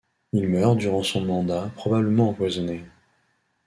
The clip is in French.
Il meurt durant son mandat, probablement empoisonné.